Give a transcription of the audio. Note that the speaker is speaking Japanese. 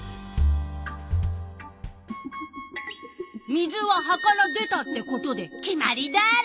水は葉から出たってことで決まりダーロ！